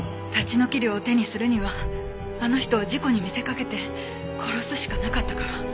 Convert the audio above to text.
立ち退き料を手にするにはあの人を事故に見せかけて殺すしかなかったから。